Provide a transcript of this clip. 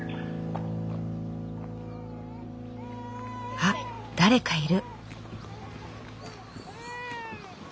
あっ誰かいる。